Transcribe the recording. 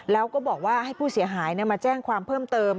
แล้วก็บอกว่าให้ผู้เสียหายมาแจ้งความเพิ่มเติม